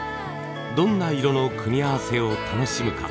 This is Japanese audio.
どんな色の組み合わせを楽しむか。